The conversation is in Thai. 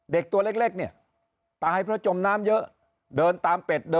ตัวเล็กเนี่ยตายเพราะจมน้ำเยอะเดินตามเป็ดเดิน